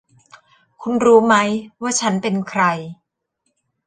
คุณรู้ไหมว่าฉันเป็นใคร